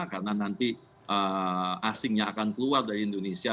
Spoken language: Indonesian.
karena nanti asingnya akan keluar dari indonesia